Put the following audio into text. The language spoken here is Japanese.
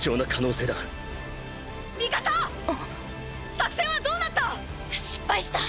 作戦はどうなった⁉失敗した！